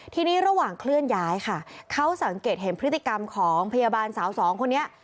ทีนี้ระหว่างเคลื่อนย้ายค่ะเขาสังเกตเห็นพฤติกรรมของพยาบาลสาวสองคนนี้